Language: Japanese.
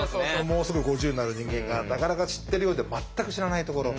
もうすぐ５０になる人間がなかなか知ってるようで全く知らないところ。